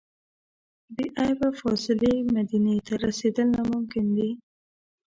بې عیبه فاضلې مدینې ته رسېدل ناممکن دي.